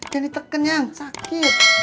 gak di teken yang sakit